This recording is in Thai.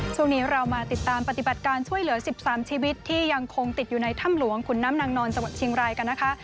ช่วงนี้เรามาติดตามปฏิบัติการช่วยเหลือ๑๓ชีวิตที่ยังคงติดอยู่ในถ้ำหลวงขุนน้ำนางนอนจังหวัดเชียงรายกันนะคะ